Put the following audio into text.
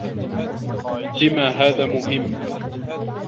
لم هذا مهم؟